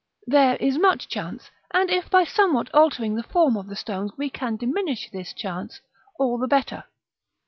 There is such a chance: and if by somewhat altering the form of the stones, we can diminish this chance, all the better.